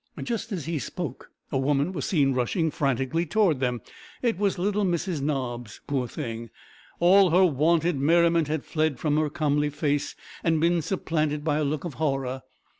Just as he spoke a woman was seen rushing frantically towards them. It was little Mrs Nobbs. Poor thing! All her wonted merriment had fled from her comely face, and been supplanted by a look of horror.